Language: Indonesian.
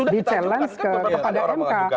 di challenge kepada mk